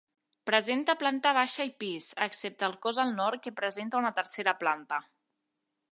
Presenta planta baixa i pis, excepte el cos al nord que presenta una tercera planta.